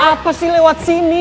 apa sih lewat sini